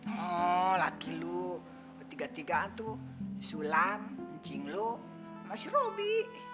oh laki lu ketiga tigaan tuh sulam cinglo mas robi